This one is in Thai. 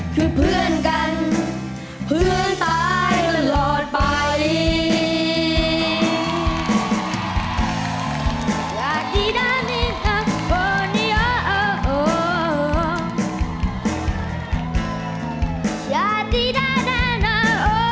คือเพื่อนกันเพื่อนตายตลอดไปคือเพื่อนกันเพื่อนตายตลอดไป